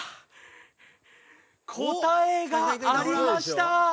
答えがありました